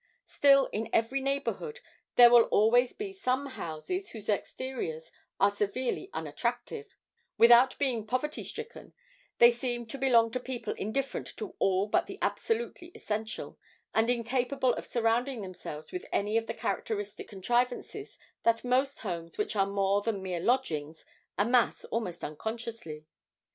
Still, in every neighbourhood there will always be some houses whose exteriors are severely unattractive; without being poverty stricken, they seem to belong to people indifferent to all but the absolutely essential, and incapable of surrounding themselves with any of the characteristic contrivances that most homes which are more than mere lodgings amass almost unconsciously.